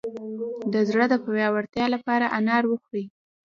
د زړه د پیاوړتیا لپاره انار وخورئ